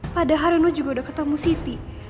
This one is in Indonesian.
padahal juga udah ketemu siti